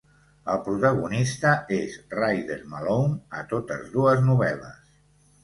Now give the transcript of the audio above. El protagonista és Ryder Malone a totes dues novel·les.